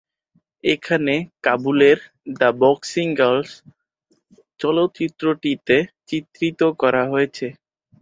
এখানে "কাবুলের the boxing girls" চলচ্চিত্রটিতে চিত্রিত করা হয়েছে।